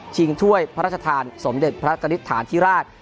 ถ้วยพระราชทานสมเด็จพระกณิตฐานธิราช